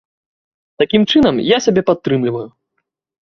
Такім чынам я сябе падтрымліваю.